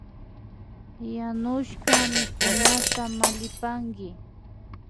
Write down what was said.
Yanushka mikunata mallipanki